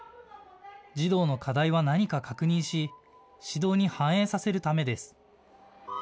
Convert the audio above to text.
児童の課題は何か確認し指導に反映させるためです。